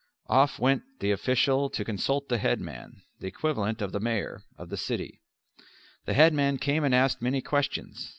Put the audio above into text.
Off went the official to consult the headman (the equivalent of the Mayor) of the city. The headman came and asked many questions.